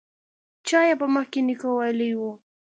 چا يې په مخ کې نيکه وهلی و.